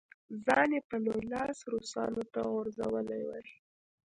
ځان یې په لوی لاس روسانو ته غورځولی وای.